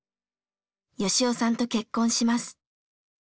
良夫さんと結婚します。